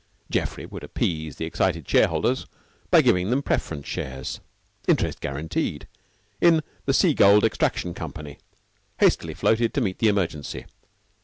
Geoffrey would appease the excited shareholders by giving them Preference Shares (interest guaranteed) in the Sea gold Extraction Company, hastily floated to meet the emergency.